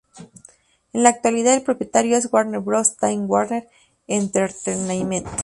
En la actualidad el propietario es: Warner Bros.-Time Warner Entertainment.